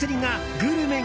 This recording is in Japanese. グルメが！